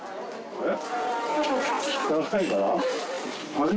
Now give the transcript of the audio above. えっ？